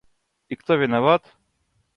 И кто виноват?